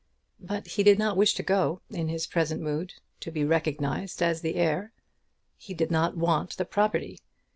But he did not wish, in his present mood, to be recognised as the heir. He did not want the property.